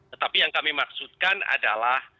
tetapi yang kami maksudkan adalah